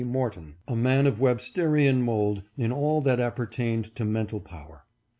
Morton, a man of Websterian mould in all that appertained to mental power.